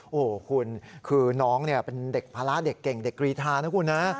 โอ้โหคุณคือน้องเป็นเด็กภาระเด็กเก่งเด็กกรีธานะคุณนะ